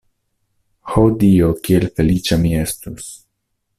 Ho Dio, kiel feliĉa mi estus!